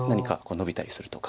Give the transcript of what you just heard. ノビたりするとか。